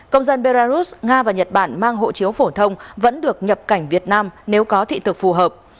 công dân belarus nga và nhật bản mang hộ chiếu phổ thông vẫn được nhập cảnh việt nam nếu có thị thực phù hợp